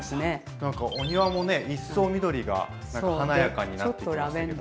なんかお庭もね一層緑が華やかになってきましたけど。